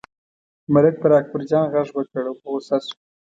ملک پر اکبرجان غږ وکړ او په غوسه شو.